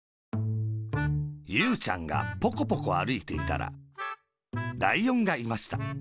ゆうちゃんがポコポコあるいていたら、ライオンがいました。